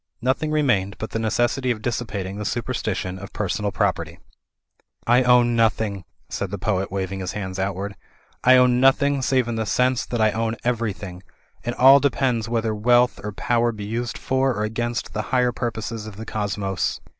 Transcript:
Nothing remained but the necessity of dissipating the superstition of per sonal property. "I own nothing," said the poet, waving his hands outward, "I own nothing save in the sense that I own everjrthing. All depends whether wealth or power be used for or against the higher purposes of the cosmos."